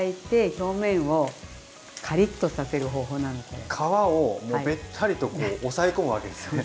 ここで皮をべったりと押さえ込むわけですよね。